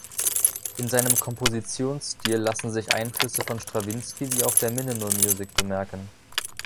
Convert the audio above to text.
In seinem Kompositionsstil lassen sich Einflüsse von Strawinski wie auch der Minimal Music bemerken.